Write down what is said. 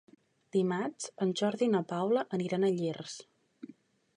Dimarts en Jordi i na Paula aniran a Llers.